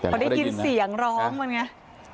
พอได้ยินเสียงร้องมันไง